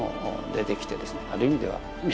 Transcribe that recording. ある意味では。